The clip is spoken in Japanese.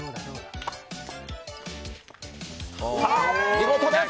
見事です！